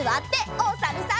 おさるさん。